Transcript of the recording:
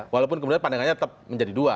walaupun kemudian pandangannya tetap menjadi dua